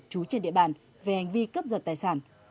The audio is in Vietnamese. trú trên địa bàn về hành vi cướp giật tài sản